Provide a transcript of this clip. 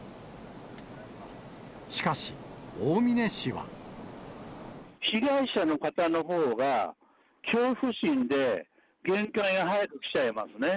しかし、被害者の方のほうが、恐怖心で、限界が早く来ちゃいますね。